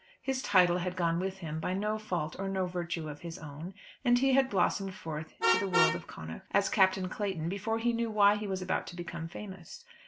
His title had gone with him by no fault or no virtue of his own, and he had blossomed forth to the world of Connaught as Captain Clayton before he knew why he was about to become famous.